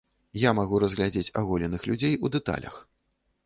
Я магу разгледзець аголеных людзей у дэталях.